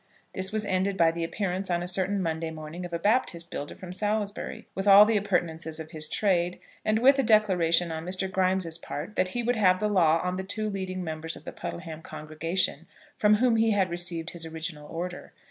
This was ended by the appearance on a certain Monday morning of a Baptist builder from Salisbury, with all the appurtenances of his trade, and with a declaration on Mr. Grimes' part, that he would have the law on the two leading members of the Puddleham congregation, from whom he had received his original order.